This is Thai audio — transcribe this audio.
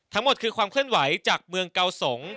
ทั้งหมดคือความเคลื่อนไหวจากเมืองเกาสง